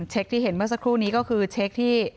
ที่เห็นเมื่อสักครู่นี้ก็คือเช็คที่